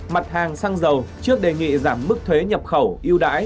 mặt hàng xăng dầu trước đề nghị giảm mức thuế nhập khẩu yêu đãi